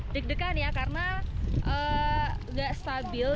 deg degan ya karena nggak stabil